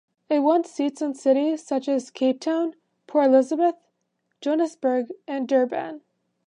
It won seats in cities such as Cape Town, Port Elizabeth, Johannesburg and Durban.